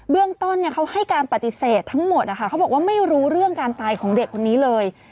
เรื่องต้นเขาให้การปฏิเสธทั้งหมดนะคะเขาบอกว่าไม่รู้เรื่องการตายของเด็กคนนี้เลย